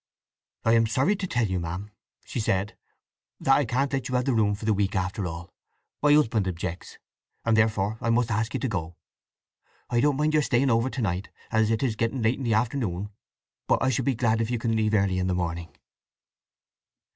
"I am sorry to tell you, ma'am," she said, "that I can't let you have the room for the week after all. My husband objects; and therefore I must ask you to go. I don't mind your staying over to night, as it is getting late in the afternoon; but I shall be glad if you can leave early in the morning."